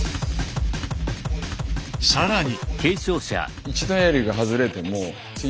さらに！